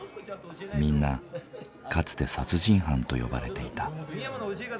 みんなかつて「殺人犯」と呼ばれていた。